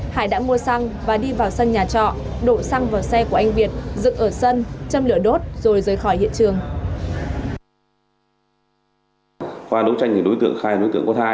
hải đã mua xăng và đi vào sân nhà trọ đổ xăng vào xe của anh việt dựng ở sân châm châm lửa đốt rồi rời khỏi hiện trường